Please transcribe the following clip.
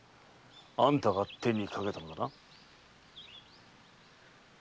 あんたが手にかけたのだな？